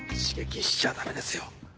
刺激しちゃダメですよ。